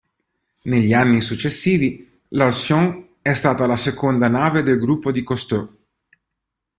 Negli anni successivi l"'Alcyone" è stata la seconda nave del gruppo di Cousteau.